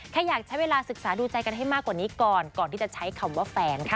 แค่อยากใช้เวลาศึกษาดูใจกันให้มากกว่านี้ก่อนก่อนที่จะใช้คำว่าแฟนค่ะ